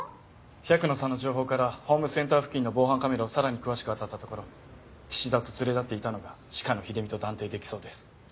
百野さんの情報からホームセンター付近の防犯カメラをさらに詳しくあたったところ岸田と連れ立っていたのが鹿野秀美と断定できそうです。